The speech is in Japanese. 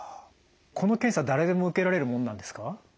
この検査誰でも受けられるもんなんですか？